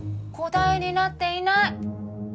答えになっていない。